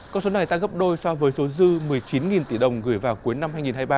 con số này tăng gấp đôi so với số dư một mươi chín tỷ đồng gửi vào cuối năm hai nghìn hai mươi ba